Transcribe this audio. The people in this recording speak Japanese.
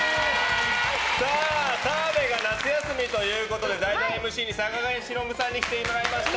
澤部が夏休みということで代理ＭＣに坂上忍さんに来ていただきました！